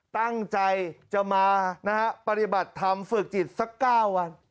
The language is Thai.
ตั้งใจจะมานะครับปฏิบัติทำฝึกจิตสัก๙วัน